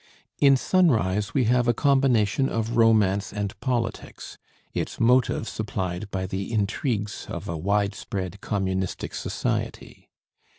In 'Sunrise' we have a combination of romance and politics, its motive supplied by the intrigues of a wide spread communistic society.